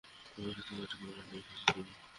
সাথে করে কয়টা ক্যামেরা নিয়ে এসেছ তুমি?